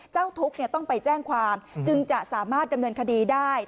เจ้าทุกข์ต้องไปแจ้งความจึงจะสามารถดำเนินคดีได้